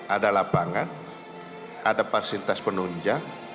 ada lapangan ada fasilitas penunjang